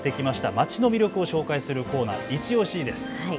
街の魅力を紹介するコーナー、いちオシです。